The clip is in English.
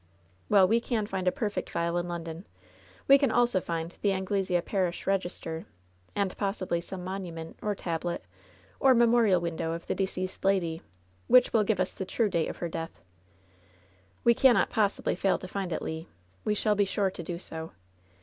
"Well, we can find a perfect file in London. We can also find the Anglesea parish register, and possibly some monument or tablet or memorial window of die de ia4l LOVE'S BITTEREST CUP ceased lady wliich will give us the true date of her death. We cannot possibly fail to find it, Le. We shall be sure to do so.